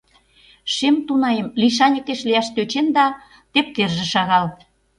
— Шем тунаэм лишаньыкеш лияш тӧчен да... тептерже шагал.